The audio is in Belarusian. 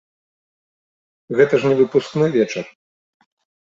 Гэта ж не выпускны вечар.